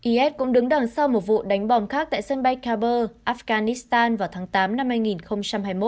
is cũng đứng đằng sau một vụ đánh bom khác tại sân bay kabur afghanistan vào tháng tám năm hai nghìn hai mươi một